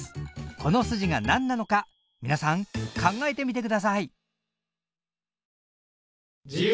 この筋が何なのか皆さん考えてみてください。